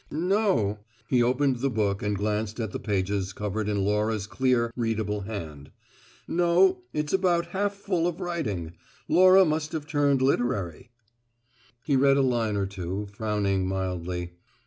"No." He opened the book and glanced at the pages covered in Laura's clear, readable hand. "No, it's about half full of writing. Laura must have turned literary." He read a line or two, frowning mildly.